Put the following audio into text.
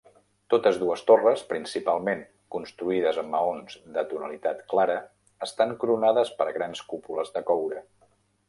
Totes dues torres, principalment construïdes amb maons de tonalitat clara, estan coronades per grans cúpules de coure.